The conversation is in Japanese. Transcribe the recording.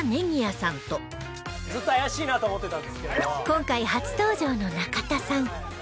今回初登場の仲田さん